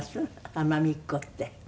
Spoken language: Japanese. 奄美っ子って。